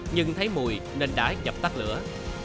nhưng thấy mùi nên đã nhập tắt lửa